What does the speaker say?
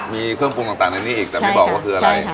มีเครื่องปรุงต่างในนี้อีกแต่ไม่บอกว่าคืออะไร